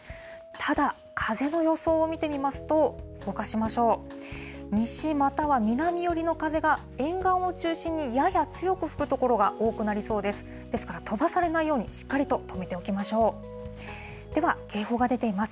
ただ、風の予想を見てみますと、動かしましょう、西、または南寄りの風が、沿岸を中心に、やや強く吹く所が多くなりそうです。